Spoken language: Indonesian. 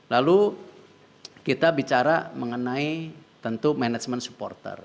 lalu kita bicara mengenai tentu management supporter